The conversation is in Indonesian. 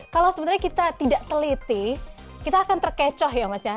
kalau sebenarnya kita tidak teliti kita akan terkecoh ya mas ya